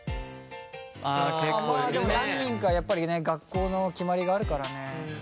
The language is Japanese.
まあでも何人かやっぱりね学校の決まりがあるからね。